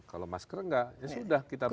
kalau masker enggak ya sudah kita pakai